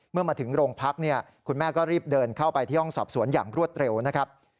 เมื่อมาถึงโรงพักเนี่ยคุณแม่ก็รีบเดินเข้าไปที่ห้องสอบสวนอย่างรวดเร็วนะครับ